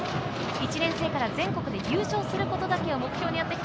１年生から全国で優勝することだけを目標にやってきた。